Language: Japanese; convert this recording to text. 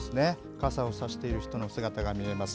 傘を差している人の姿が見えます。